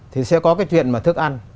thì sẽ có cái chuyện mà thức ăn